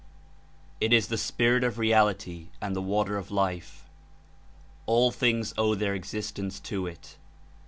It is the Spirit of Reality and the Water of Life. All things owe their existence to it.